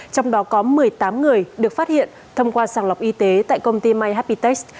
trong đó có một mươi tám người được phát hiện thông qua sàng lọc y tế tại công ty myhappytest